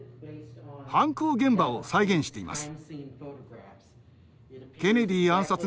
犯行現場を再現しています。